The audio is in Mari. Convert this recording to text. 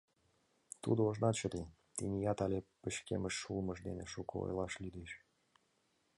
Тудо ожнат чытен, теният але пычкемыш улмыж дене шуко ойлаш лӱдеш.